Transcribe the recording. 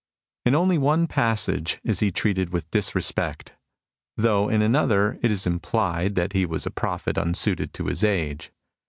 In only one passage is he treated with disrespect, though in another it is implied that he was a prophet unsuited to his age.